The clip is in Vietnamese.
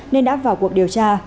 nên đã vào cuộc điều tra